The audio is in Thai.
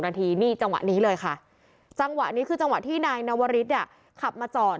นาทีนี่จังหวะนี้เลยค่ะจังหวะนี้คือจังหวะที่นายนวริสเนี่ยขับมาจอด